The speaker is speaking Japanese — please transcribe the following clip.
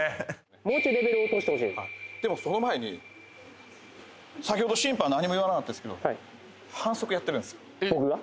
もうちょいレベル落としてほしいでもその前に先ほど審判何も言わなかったですけど僕が？